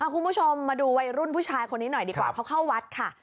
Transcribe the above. คุณผู้ชมมาดูวัยรุ่นผู้ชายคนนี้หน่อยดีกว่าเขาเข้าวัดค่ะ